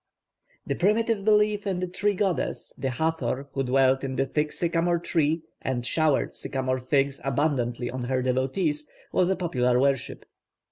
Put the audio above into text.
The primitive belief in the tree goddess, the Hathor who dwelt in the thick sycomore tree, and showered sycomore figs abundantly on her devotees, was a popular worship.